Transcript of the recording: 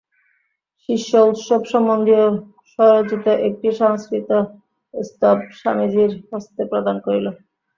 শিষ্য উৎসব সম্বন্ধীয় স্বরচিত একটি সংস্কৃত স্তব স্বামীজীর হস্তে প্রদান করিল।